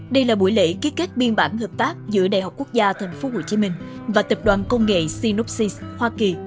đây là buổi lễ ký kết biên bản hợp tác giữa đại học quốc gia tp hcm và tập đoàn công nghệ synopsis hoa kỳ